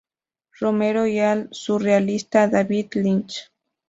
Romero y al surrealista David Lynch.